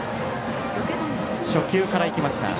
初球からいきました。